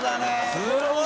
すごい！